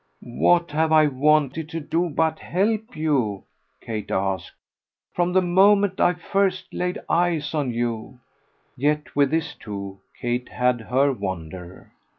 "What have I wanted to do but help you," Kate asked, "from the moment I first laid eyes on you?" Yet with this too Kate had her wonder.